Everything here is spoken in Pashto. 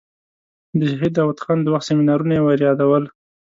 د شهید داود خان د وخت سیمینارونه یې وریادول.